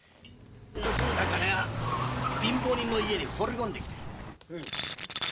盗んだ金は貧乏人の家にほうり込んで来た。